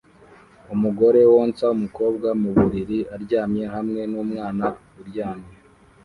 Umugore wonsa umukobwa mu buriri aryamye hamwe numwana uryamye